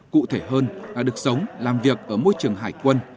cụ thể hơn là được sống làm việc ở môi trường hải quân